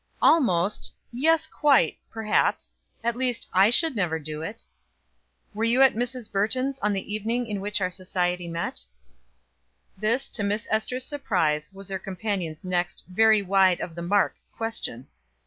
"Almost yes, quite perhaps. At least I should never do it." "Were you at Mrs. Burton's on the evening in which our society met?" This, to Ester's surprise, was her companion's next very wide of the mark question.